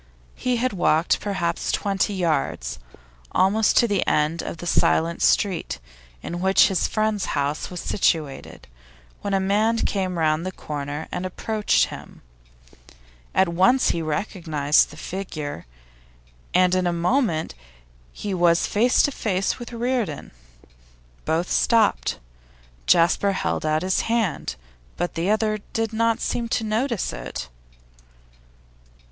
He had walked perhaps twenty yards, almost to the end of the silent street in which his friends' house was situated, when a man came round the corner and approached him. At once he recognised the figure, and in a moment he was face to face with Reardon. Both stopped. Jasper held out his hand, but the other did not seem to notice it.